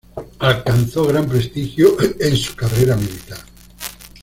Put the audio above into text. Alcanzó gran prestigio en su carrera militar.